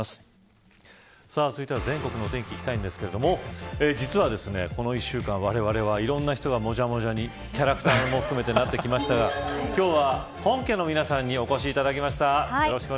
続いては全国のお天気いきたいんですけれども実はこの１週間、われわれはいろいろな人がもじゃもじゃに、キャラクターも含めてなってきましたが今日は本家の皆さんにお越しいただきました。